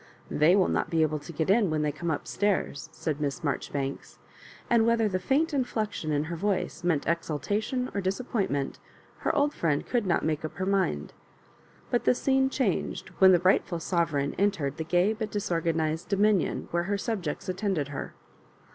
'' They will not be able to get in when they come up stairs," said Miss Marjori banks ; and whether the faint inflection in her voice meant exultation or disappointment, her old friend could not make up her mind. But the scene changed when the rightful sovereign en tered the gay but disorganised dominion where her subjects attended her.